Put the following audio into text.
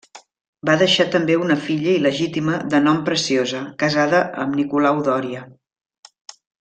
Va deixar també una filla il·legítima de nom Preciosa, casada amb Nicolau Dòria.